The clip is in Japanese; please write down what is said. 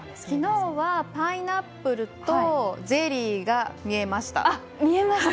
昨日はパイナップルとゼリーが見えました。